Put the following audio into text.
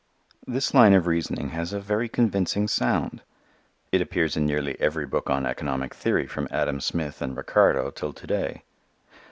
This line of reasoning has a very convincing sound. It appears in nearly every book on economic theory from Adam Smith and Ricardo till to day.